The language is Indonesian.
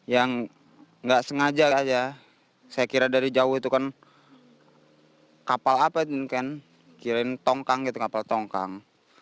yang nggak sengaja aja saya kira dari jauh itu kan kapal apa kirain tongkang gitu kapal tongkang